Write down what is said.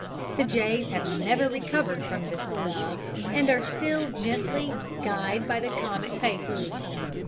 The Jays have never recovered from this snub, and are still gently guyed by the comic papers.